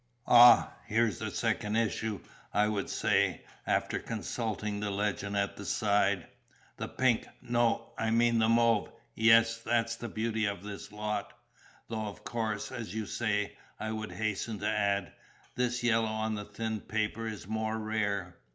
"Ah, here's the second issue!" I would say, after consulting the legend at the side. "The pink no, I mean the mauve yes, that's the beauty of this lot. Though of course, as you say," I would hasten to add, "this yellow on the thin paper is more rare."